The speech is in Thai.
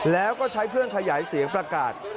แล้วก็ใช้เครื่องขยายเสียงประกาศ